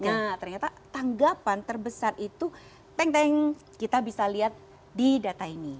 nah ternyata tanggapan terbesar itu tank tank kita bisa lihat di data ini